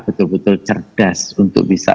betul betul cerdas untuk bisa